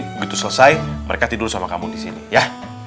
begitu selesai mereka tidur sama kamu di sini ya